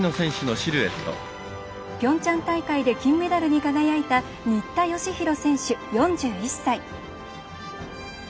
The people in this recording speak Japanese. ピョンチャン大会で金メダルに輝いた新田佳浩選手、４１歳。